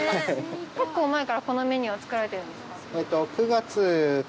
結構前からこのメニューは作られてるんですか？